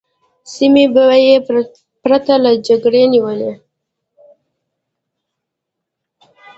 سیمې به یې پرته له جګړې نیولې.